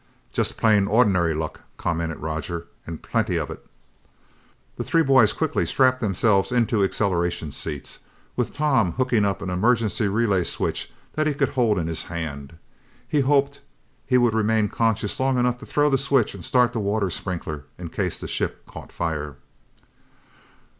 "Just plain ordinary luck," commented Roger, "and plenty of it!" The three boys quickly strapped themselves into acceleration seats, with Tom hooking up an emergency relay switch that he could hold in his hand. He hoped he would remain conscious long enough to throw the switch and start the water sprinkler in case the ship caught fire.